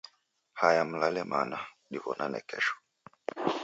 Haya mlale mana. Diw'onane kesho.